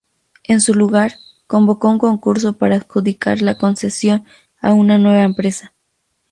En su lugar, convocó un concurso para adjudicar la concesión a una nueva empresa.